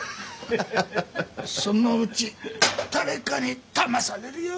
そのうち誰かにだまされるよ。